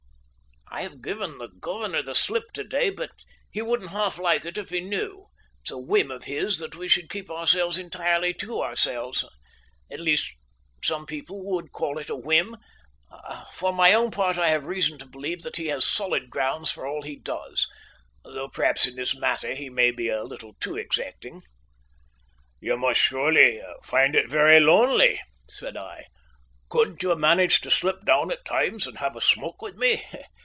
"I have given the governor the slip to day, but he wouldn't half like it if he knew. It's a whim of his that we should keep ourselves entirely to ourselves. At least, some people would call it a whim, for my own part I have reason to believe that he has solid grounds for all that he does though perhaps in this matter he may be a little too exacting." "You must surely find it very lonely," said I. "Couldn't you manage to slip down at times and have a smoke with me?